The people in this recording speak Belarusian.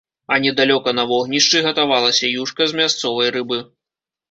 А недалёка на вогнішчы гатавалася юшка з мясцовай рыбы.